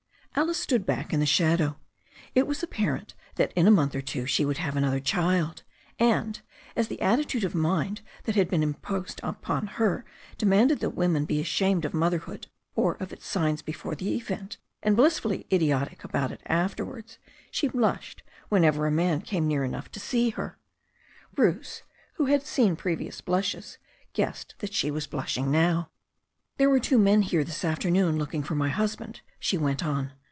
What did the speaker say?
Alice stood back in the shadow. It was apparent that in a month or two she would have another child, and, as the attitude of mind that had been imposed upon her demanded that women be ashamed of motherhood or of its signs before the event, and blissfully idiotic about it immediately after * wards, she blushed whenever a man came near enough to see her. Bruce, who had seen previous blushes, guessed that she was blushing now. "There were two men here this afternoon, looking for my husband," she went on.